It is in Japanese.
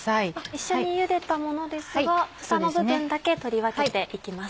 一緒にゆでたものですが房の部分だけ取り分けて行きます。